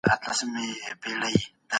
سم نیت غوسه نه جوړوي.